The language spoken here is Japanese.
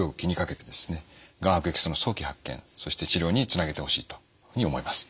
がん悪液質の早期発見そして治療につなげてほしいというふうに思います。